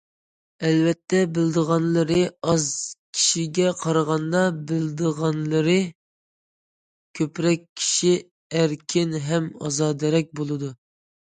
ئەلۋەتتە، بىلىدىغانلىرى ئاز كىشىگە قارىغاندا بىلىدىغانلىرى كۆپرەك كىشى ئەركىن ھەم ئازادىرەك بولىدۇ.